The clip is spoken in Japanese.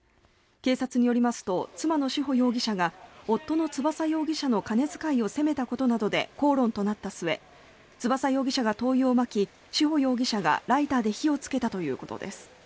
警察によりますと妻の志保容疑者が夫の翼容疑者の金遣いを責めたことなどで口論となった末翼容疑者が灯油をまき志保容疑者がライターで火をつけたということです。